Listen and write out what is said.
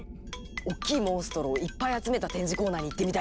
おっきいモンストロをいっぱい集めた展示コーナーに行ってみたいです！